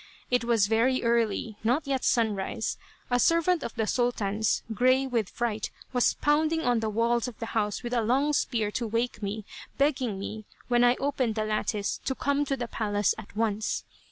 It was very early, not yet sunrise. A servant of the Sultan's, gray with fright, was pounding on the walls of the house with a long spear to wake me, begging me, when I opened the lattice, to come to the palace at once.